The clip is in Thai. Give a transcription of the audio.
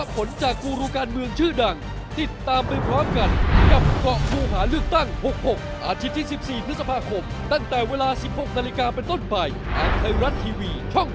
โปรดติดตามตอนต่อไป